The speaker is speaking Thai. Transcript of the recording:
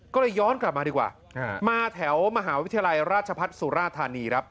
ก็เลยย้อนกลับมาดีกว่ามาแถวมหาวิทยาลัยราชพัฒน์สุราธานีครับ